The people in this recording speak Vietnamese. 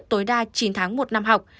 tối đa chín tháng một năm học